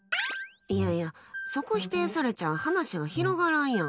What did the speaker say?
いやいや、そこ否定されちゃ話が広がらんよ。